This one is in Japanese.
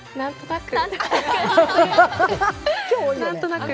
何となく。